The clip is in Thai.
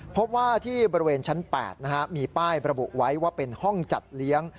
พบว่าที่บริเวณชั้น๘มีป้ายระบุไว้ว่าเป็นห้องจัดเลี้ยง